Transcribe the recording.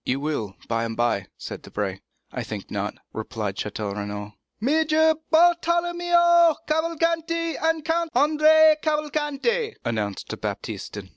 "You will, by and by," said Debray. "I think not," replied Château Renaud. "Major Bartolomeo Cavalcanti and Count Andrea Cavalcanti," announced Baptistin.